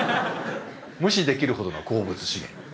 無視できるほどの鉱物資源。